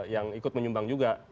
yang ikut menyumbang juga